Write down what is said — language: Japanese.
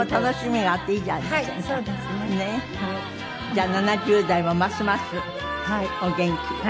じゃあ７０代もますますお元気で。